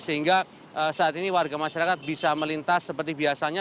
sehingga saat ini warga masyarakat bisa melintas seperti biasanya